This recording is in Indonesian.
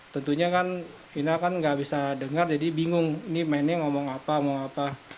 tentunya kan ina kan nggak bisa dengar jadi bingung ini mainnya ngomong apa mau apa